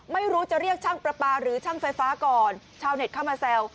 ไม่รู้จะเรียกช่างประปาหรือช่างไฟฟ้าก่อนชาวเน็ตเข้ามาแซว